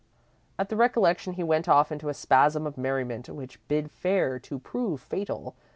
At the recollection he went off into a spasm of merriment which bid fair to prove fatal.